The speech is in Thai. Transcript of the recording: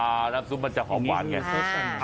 อ่าน้ำซุปมันจะหอบหวานไงอ่า